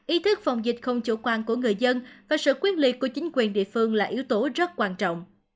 ý thức phòng dịch không chủ quan của người dân và sự quyết liệt của chính quyền địa phương là yếu tố rất quan trọng